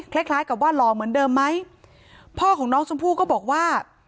คล้ายคล้ายกับว่าหล่อเหมือนเดิมไหมพ่อของน้องชมพู่ก็บอกว่า